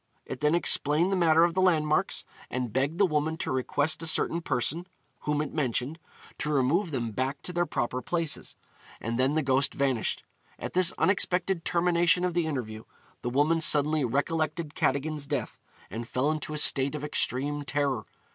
It then explained the matter of the landmarks, and begged the woman to request a certain person (whom it mentioned) to remove them back to their proper places; and then the ghost vanished. At this unexpected termination of the interview, the woman suddenly recollected Cadogan's death, and fell into a state of extreme terror.